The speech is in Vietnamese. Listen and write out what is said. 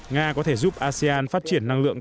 nga có thể giúp asean phát triển năng lượng